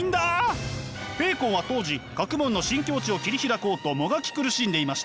ベーコンは当時学問の新境地を切り開こうともがき苦しんでいました。